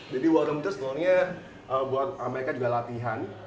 jadi war room itu sebenarnya buat mereka juga latihan